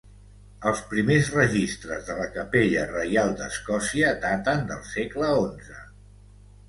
Els primers registres de la Capella Reial d'Escòcia daten del segle XI.